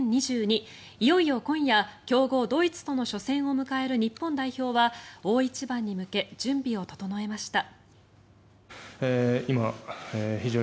いよいよ今夜、強豪ドイツとの初戦を迎える日本代表は大一番に向け準備を整えました。